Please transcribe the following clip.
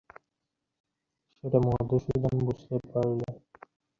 সেটা মধুসূদন বুঝতে পারলে।